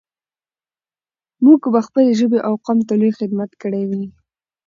به موږ خپلې ژبې او قوم ته لوى خدمت کړى وي.